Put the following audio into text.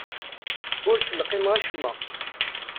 Ur ttleqqimeɣ acemma.